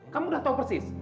kamu udah tahu persis